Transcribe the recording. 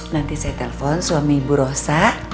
nanti saya telepon suami ibu rosa